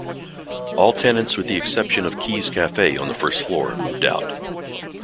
All tenants with the exception of Keys Café on the first floor moved out.